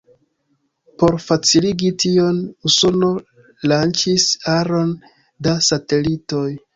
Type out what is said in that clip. Por faciligi tion, Usono lanĉis aron da satelitoj.